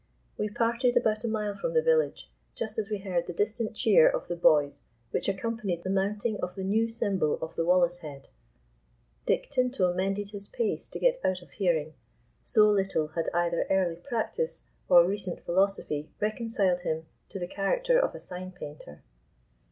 We parted about a mile from the village, just as we heard the distant cheer of the boys which accompanied the mounting of the new symbol of the Wallace Head. Dick Tinto mended his pace to get out of hearing, so little had either early practice or recent philosophy reconciled him to the character of a sign painter.